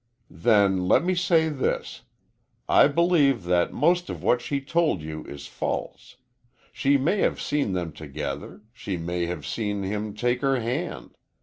"Then, let me say this. I believe that most of what she told you is false. She may have seen them together. She may have seen him take her hand.